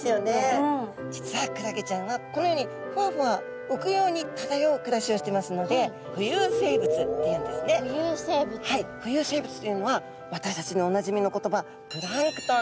実はクラゲちゃんはこのようにふわふわ浮くように漂う暮らしをしてますので浮遊生物というのは私たちにおなじみの言葉プランクトンなんですね。